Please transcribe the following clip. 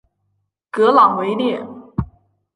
格朗维列。